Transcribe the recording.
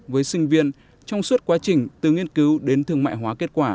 với sinh viên trong suốt quá trình từ nghiên cứu đến thương mại hóa kết quả